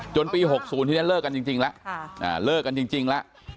ปี๖๐ทีนี้เลิกกันจริงแล้วเลิกกันจริงแล้ว